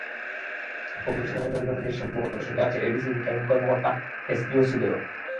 কমিশনের মেরুদণ্ড নিয়ে সম্ভবত সন্দেহ আছে এডিসি, রিটার্নিং কর্মকর্তা, এসপি, ওসিদেরও।